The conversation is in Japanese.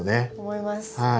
思います。